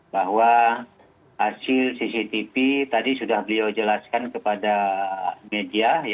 bahwa hasil cctv tadi sudah beliau jelaskan kepada media